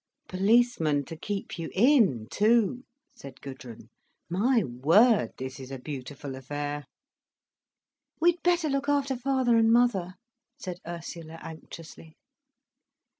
"Policemen to keep you in, too!" said Gudrun. "My word, this is a beautiful affair." "We'd better look after father and mother," said Ursula anxiously.